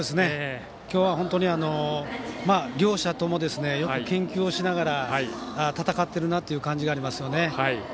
今日は本当に両者ともよく研究をしながら戦ってるなという感じがありますよね。